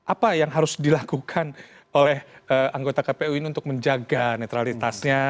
apa yang harus dilakukan oleh anggota kpu ini untuk menjaga netralitasnya